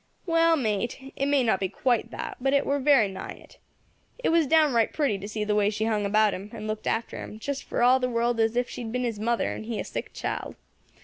"Well, mate, it may be not quite that, but it war very nigh it. It was downright pretty to see the way she hung about him, and looked after him, just for all the world as if she had been his mother, and he a sick child.